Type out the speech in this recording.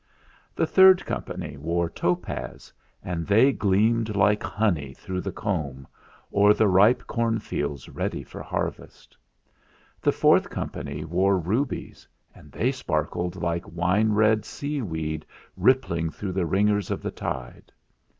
The third company wore topaz, and they gleamed like honey through the comb, or the ripe corn fields ready for harvest. The fourth company wore rubies, and they sparkled like 135 136 THE FLINT HEART wine red seaweed rippling through the ringers of the tide.